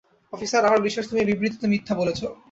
Officer, আমার বিশ্বাস তুমি এই বিবৃতিতে মিথ্যা বলেছ।